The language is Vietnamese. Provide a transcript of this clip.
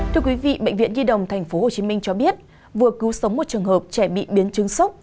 thưa quý vị bệnh viện nhi đồng tp hcm cho biết vừa cứu sống một trường hợp trẻ bị biến chứng sốc